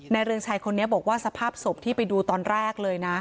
เรืองชัยคนนี้บอกว่าสภาพศพที่ไปดูตอนแรกเลยนะ